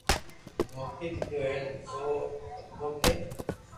نوکي ديدو ھين او آ ھتو ڪي